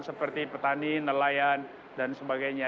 seperti petani nelayan dan sebagainya